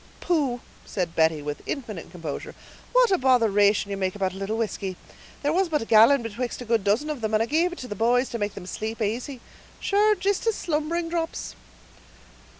"Pooh!" said Betty, with infinite composure, "what a botheration ye make about a little whisky; there was but a gallon betwixt a good dozen of them, and I gave it to the boys to make them sleep asy; sure, jist as slumbering drops."